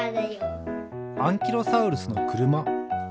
アンキロサウルスのくるま。